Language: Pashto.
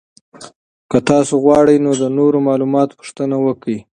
که تاسو غواړئ نو د نورو معلوماتو پوښتنه وکړئ.